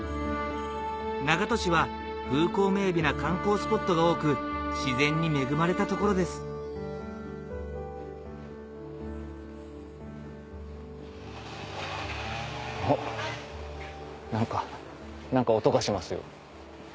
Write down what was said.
長門市は風光明媚な観光スポットが多く自然に恵まれた所ですおっ何か音がしますよ。